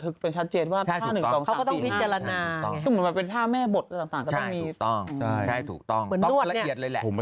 พร้อมทรัยเอียดเลยแหละ